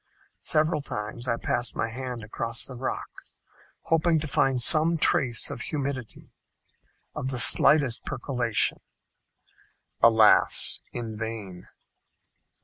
Several times I passed my hand across the rock hoping to find some trace of humidity of the slightest percolation. Alas! in vain.